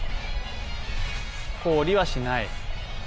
こおりはしない。